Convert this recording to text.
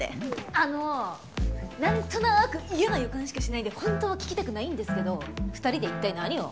あのなんとなく嫌な予感しかしないんでホントは聞きたくないんですけど２人で一体何を？